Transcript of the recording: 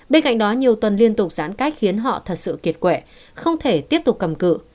bên cạnh đó nhiều tuần liên tục giãn cách khiến họ thật sự kiệt quệ không thể tiếp tục cầm cự